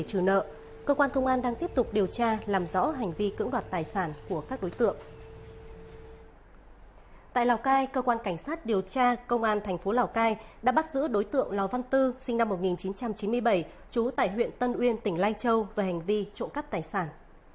tại lào cai cơ quan cảnh sát điều tra công an thành phố lào cai đã bắt giữ đối tượng lò văn tư sinh năm một nghìn chín trăm chín mươi bảy trú tại huyện tân uyên tỉnh lai châu về hành vi trộm cắp tài sản